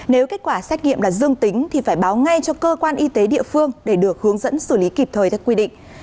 nếu kết quả xét nghiệm là dương tính thì phải báo ngay cho cơ quan y tế địa phương để được hướng dẫn xử lý kịp thời theo quy định